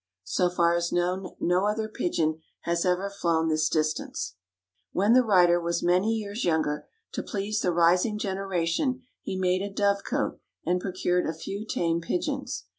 So far as known no other pigeon has ever flown this distance. When the writer was many years younger, to please the rising generation he made a dove cote and procured a few tame pigeons.